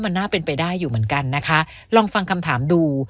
มันน่าเป็นไปได้อยู่เหมือนกันนะคะลองฟังคำถามดู